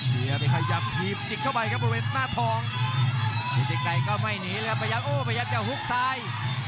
มีใครอยากทีมจิกเข้าไปครับบริเวณหน้าทองลิฟติไกรก็ไม่หนีเลยครับพยายามโอ้โหพยายามจะหุ้กซ้าย